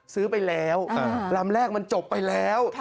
ซื้อไปแล้วลำแรกมันจบไปแล้ว